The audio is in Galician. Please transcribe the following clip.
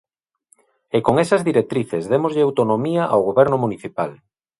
E con esas directrices démoslle autonomía ao Goberno Municipal.